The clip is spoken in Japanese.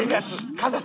家族。